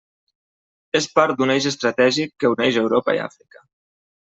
És part d'un eix estratègic que uneix Europa i Àfrica.